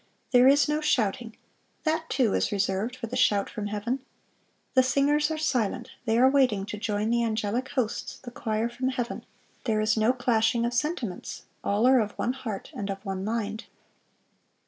There is no shouting: that, too, is reserved for the shout from heaven. The singers are silent: they are waiting to join the angelic hosts, the choir from heaven.... There is no clashing of sentiments: all are of one heart and of one mind."